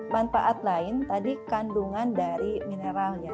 manfaat lain tadi kandungan dari mineralnya